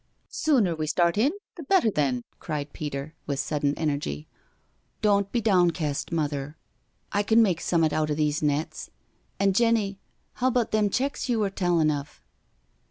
•• Sooner we start in th' better, then," cried Peter, with sudden energy, *' Doan't be downkest. Mother, I can make summat out o' these nets ,.. and, Jenny, how about them checks you wur telling of?'